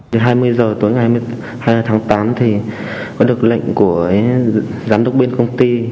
đến hai mươi h tối ngày hai mươi hai tháng tám thì có được lệnh của giám đốc bên công ty